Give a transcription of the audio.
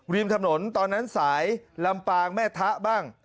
ริมถนนตอนนั้นสายลำปางแม่ทะบ้าง